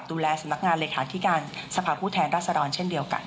ดูแลสำนักงานเลขาธิการสภาพผู้แทนรัศดรเช่นเดียวกัน